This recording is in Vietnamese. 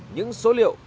những số liệu